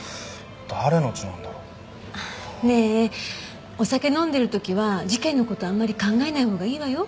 ねえお酒飲んでる時は事件の事あんまり考えないほうがいいわよ？